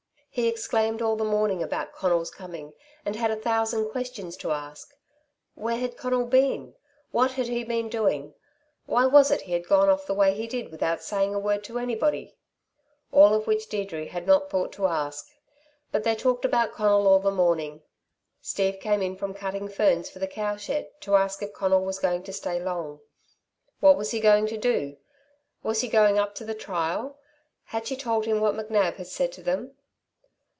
He exclaimed all the morning about Conal's coming, and had a thousand questions to ask. Where had Conal been? What had he been doing? Why was it he had gone off the way he did without saying a word to anybody? All of which Deirdre had not thought to ask. But they talked about Conal all the morning. Steve came in from cutting ferns for the cow shed to ask if Conal was going to stay long. What was he going to do? Was he going up to the trial? Had she told him what McNab had said to them?